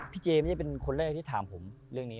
เจไม่ใช่เป็นคนแรกที่ถามผมเรื่องนี้